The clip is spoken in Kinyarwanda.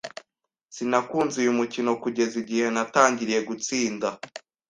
Sinakunze uyu mukino kugeza igihe natangiriye gutsinda.